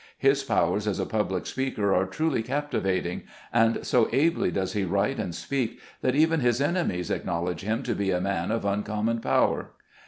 His powers as a public speaker are truly captivating, and so ably does he write and speak, that even his enemies acknowledge him to be a man of uncommon power.